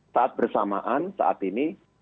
saat bersamaan saat ini